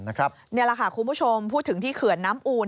นี่แหละค่ะคุณผู้ชมพูดถึงที่เขื่อนน้ำอูน